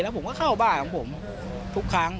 ผมก็เข้าบ้านของผมทุกครั้ง